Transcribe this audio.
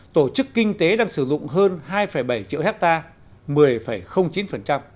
tổ chức kinh tế đang sử dụng hơn hai bảy triệu hectare một mươi chín